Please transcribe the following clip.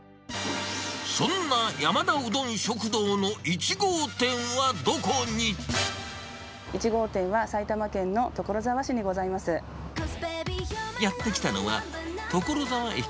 そんな山田うどん食堂の１号店はどこに。